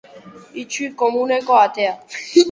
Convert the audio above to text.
Itxi komuneko atea.